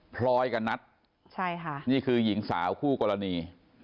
พลอยกันนัดนี่คือหญิงสาวคู่กรณี